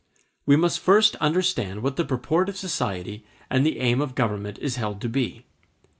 We must first understand what the purport of society and the aim of government is held to be.